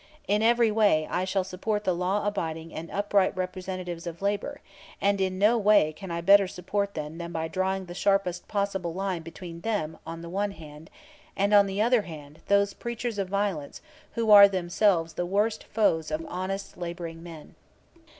In every way I shall support the law abiding and upright representatives of labor, and in no way can I better support them than by drawing the sharpest possible line between them on the one hand, and, on the other hand, those preachers of violence who are themselves the worst foes of the honest laboring man.